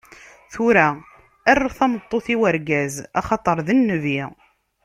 Tura, err tameṭṭut i wergaz, axaṭer d nnbi.